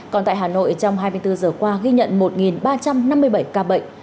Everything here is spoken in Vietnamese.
còn tại hà nội trong hai mươi bốn giờ qua ghi nhận một ba trăm năm mươi bảy ca bệnh